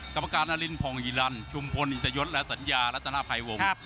กรรมการอรินผ่องหิรันชุมพลอินทยศและสัญญารัฐนาภัยวงศ์